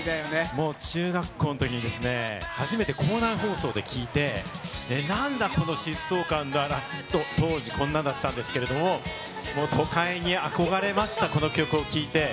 もう中学校のときにですね、初めて校内放送で聴いて、なんだ、この疾走感が、当時、こんなだったんですけど、もう都会に憧れました、この曲を聴いて。